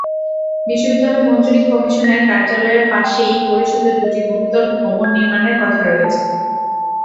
বিশ্ববিদ্যালয় মঞ্জুরি কমিশনের কার্যালয়ের পাশেই পরিষদের দুটি বহুতল ভবন নির্মাণের কথা রয়েছে।